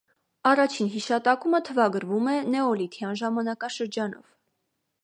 Առաջին հիշատակումը թվագրվում է նեոլիթյան ժամանակաշրջանով։